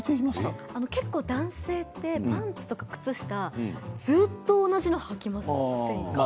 結構、男性ってパンツや靴下ずっと同じものをはきませんか？